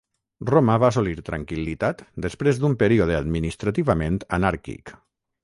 Roma va assolir tranquil·litat després d'un període administrativament anàrquic.